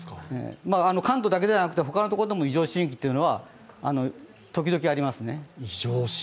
関東だけではなくてほかのところでも異常震域というのは時々ありますね。